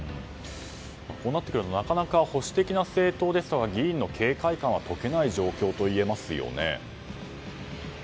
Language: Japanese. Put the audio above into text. こうなってくるとなかなか保守的な政党ですと議員の警戒感は解けない状況といえますよね。